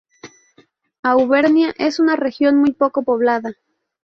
Auvernia es una región muy poco poblada.